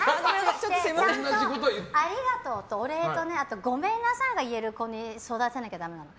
ありがとうと、お礼とごめんなさいが言える子に育てなきゃダメなの。